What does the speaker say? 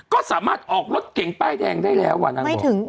ก็สามารถออกรถเก่งป้ายแดงได้แล้วอ่ะนางบอก